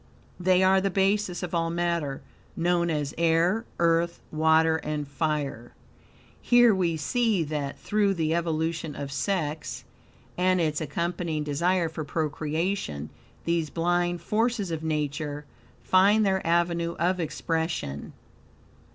They are the basis of all matter, known as Air, Earth, Water and Fire. Here we see that, through the evolution of sex and its accompanying desire for procreation, these blind forces of Nature find their avenue of expression.